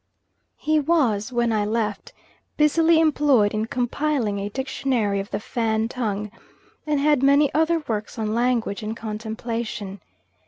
He was, when I left, busily employed in compiling a dictionary of the Fan tongue, and had many other works on language in contemplation.